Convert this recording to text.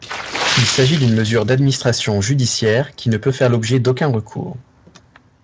Il s'agit d'une mesure d'administration judiciaire qui ne peut faire l'objet d'aucun recours.